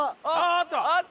あった！